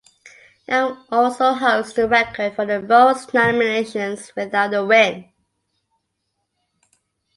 Young also holds the record for the most nominations without a win.